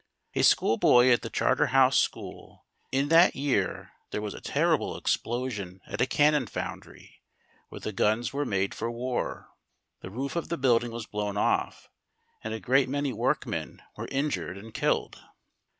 a school boy at the Charterhouse School. In that year there was a terrible explosion at a cannon foundry, where the guns were made for war. The roof of the building was blown off, and a great many workmen were injured and killed.